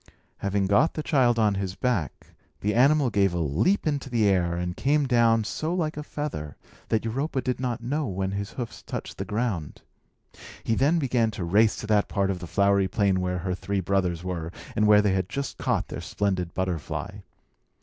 Having got the child on his back, the animal gave a leap into the air, and came down so like a feather that Europa did not know when his hoofs touched the ground. He then began a race to that part of the flowery plain where her three brothers were, and where they had just caught their splendid butterfly.